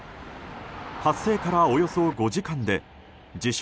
発生からおよそ５時間で自称